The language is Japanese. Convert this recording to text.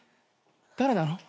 誰なの？